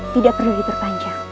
tidak perlu diperpanjang